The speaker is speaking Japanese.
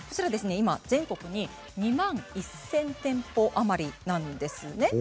全国に２万１０００店舗余りなんです。